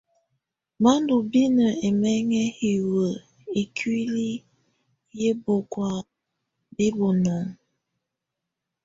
Bá ndù binǝ ɛmɛŋɛ hiwǝ ikuili yɛ bɛkɔ̀á bɛ bunɔŋɔ.